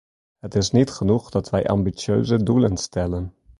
Het is niet genoeg dat wij ambitieuze doelen stellen.